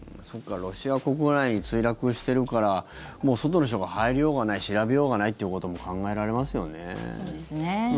ロシア国内に墜落してるからもう外の人が入りようがない調べようがないということもそうですね。